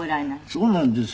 そうなんです。